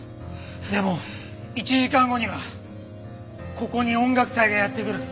でも１時間後にはここに音楽隊がやって来る。